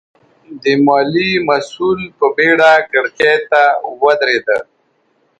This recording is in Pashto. د ماليې مسوول په بېړه کړکۍ ته ودرېد.